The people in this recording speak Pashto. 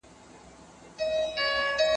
بستر ته لاړ شئ.